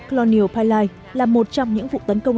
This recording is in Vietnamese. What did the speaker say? colonial pileye là một trong những vụ tấn công